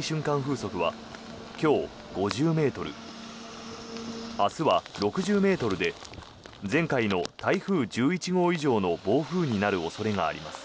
風速は今日、５０ｍ明日は６０ｍで前回の台風１１号以上の暴風になる恐れがあります。